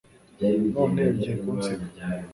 none ugiye kunsiga